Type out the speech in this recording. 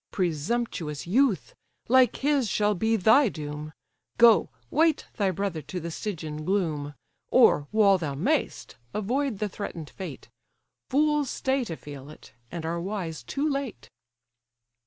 Presumptuous youth! like his shall be thy doom, Go, wait thy brother to the Stygian gloom; Or, while thou may'st, avoid the threaten'd fate; Fools stay to feel it, and are wise too late."